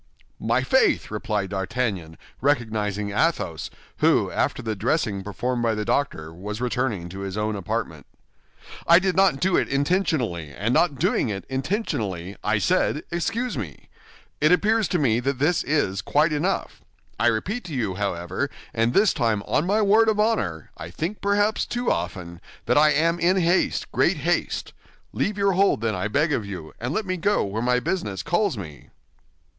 "My faith!" replied D'Artagnan, recognizing Athos, who, after the dressing performed by the doctor, was returning to his own apartment. "I did not do it intentionally, and not doing it intentionally, I said 'Excuse me.' It appears to me that this is quite enough. I repeat to you, however, and this time on my word of honor—I think perhaps too often—that I am in haste, great haste. Leave your hold, then, I beg of you, and let me go where my business calls me."